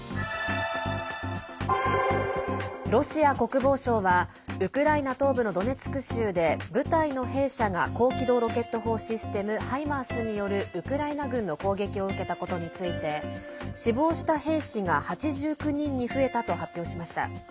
ロシア国防省はウクライナ東部のドネツク州で、部隊の兵舎が高機動ロケット砲システム「ハイマース」によるウクライナ軍の攻撃を受けたことについて死亡した兵士が８９人に増えたと発表しました。